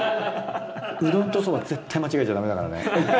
うどんとそば絶対間違えちゃダメだからね。